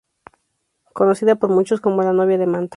Conocida por muchos como "La Novia de Manta".